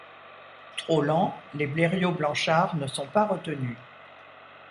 Trop lents, les Blériot-Blanchard ne sont pas retenus.